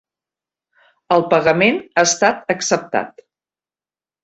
El pagament ha estat acceptat.